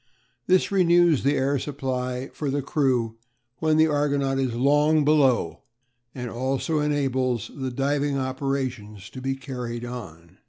This renews the air supply for the crew when the Argonaut is long below, and also enables the diving operations to be carried on.